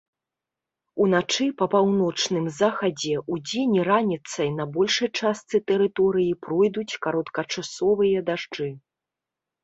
Уначы па паўночным захадзе, удзень і раніцай на большай частцы тэрыторыі пройдуць кароткачасовыя дажджы.